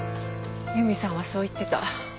由美さんはそう言ってた。